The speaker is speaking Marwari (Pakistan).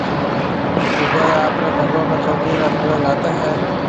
لوگائيَ آپريَ پگون ۾ چوندِي را نيور گھاتيَ ھيَََ